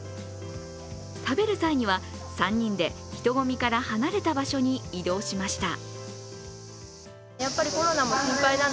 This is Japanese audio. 食べる際には、３人で人混みから離れた場所に移動しました。